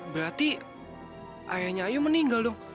berarti ayahnya ayu meninggal tuh